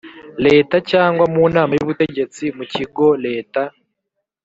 Leta cyangwa mu Nama y Ubutegetsi mu kigo Leta